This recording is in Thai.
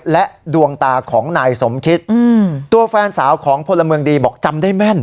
และดวงตาของนายสมคิดตัวแฟนสาวของพลเมืองดีบอกจำได้แม่น